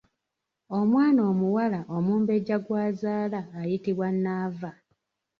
Omwana omuwala omumbejja gw’azaala ayitibwa Nnaava.